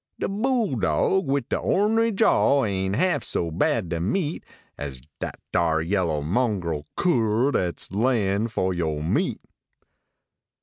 De bulldog wid de orn ry jaw Ain half so bad to meet As dat dar yaller mungril cur Dat s layin for yo meat.